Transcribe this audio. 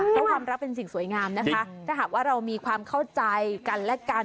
เพราะความรักเป็นสิ่งสวยงามนะคะถ้าหากว่าเรามีความเข้าใจกันและกัน